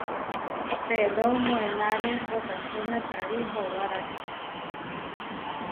Pedró moenáre potačemia karí howaráči.